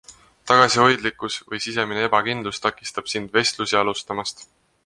Tagasihoidlikkus või sisemine ebakindlus takistab sind vestlusi alustamast.